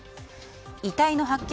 遺体の発見